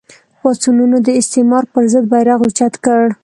پاڅونونو د استعمار پر ضد بېرغ اوچت کړ